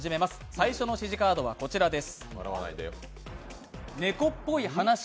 最初の指示カードはこちらです。